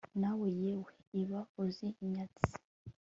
nawe yewe iyaba uzi inyatsi